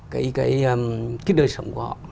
cái đời sống của họ